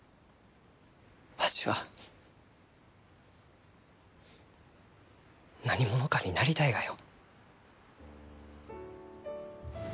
わしは何者かになりたいがよ。